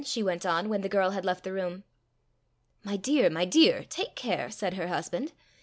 she went on, when the girl had left the room. "My dear! my dear! take care," said her husband.